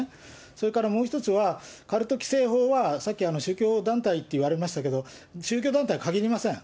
それから、もう１つはカルト規制法はさっき、宗教団体と言われましたけれども、宗教団体に限りません。